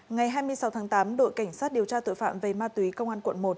ngày hai mươi sáu tháng tám đội cảnh sát điều tra tội phạm về ma túy công an quận một